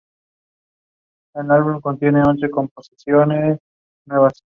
Así describió una vez el judaísmo como "cabeza enemiga visible de la Iglesia Católica.